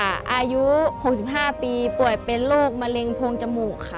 อายุ๖๕ปีป่วยเป็นโรคมะเร็งโพงจมูกค่ะ